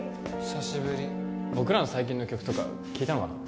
久しぶり僕らの最近の曲とか聴いたのかな